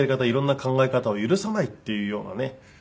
いろんな考え方を許さないっていうようなね